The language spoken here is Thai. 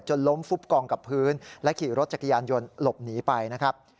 ล้มฟุบกองกับพื้นและขี่รถจักรยานยนต์หลบหนีไปนะครับ